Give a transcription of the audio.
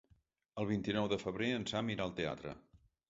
El vint-i-nou de febrer en Sam irà al teatre.